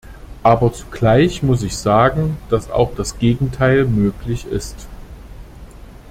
Aber zugleich muss ich sagen, dass auch das Gegenteil möglich ist.